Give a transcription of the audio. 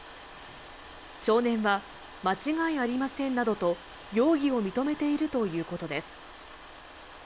少年は間違いありませんなどと容疑を認めているということです。